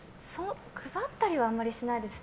配ったりはあまりしないですね。